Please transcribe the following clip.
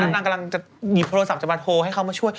นางกำลังผ่านโทรศัพท์มาโทรศัพท์ให้เขาช่วย